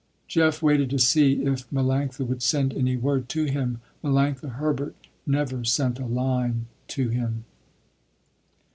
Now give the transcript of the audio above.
Jeff waited to see if Melanctha would send any word to him. Melanctha Herbert never sent a line to him.